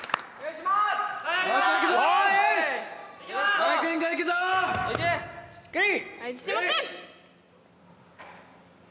しっかり。